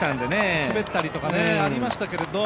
滑ったりとかありましたけれど。